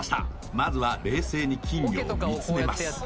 まずは冷静に金魚を見つめます